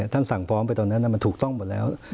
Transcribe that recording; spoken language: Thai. ท่านสั่งพร้อมไปตอนนั้นน่ะมันถูกต้องหมดแล้ว